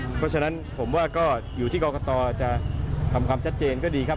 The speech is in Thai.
เพราะฉะนั้นผมว่าก็อยู่ที่กรกตจะทำความชัดเจนก็ดีครับ